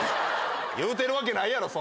言うてるわけないやろそんな。